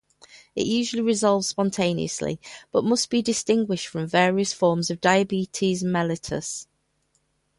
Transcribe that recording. It usually resolves spontaneously, but must be distinguished from various forms of diabetes mellitus.